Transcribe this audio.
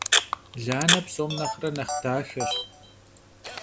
Lane psom nexhre nexh daxeş.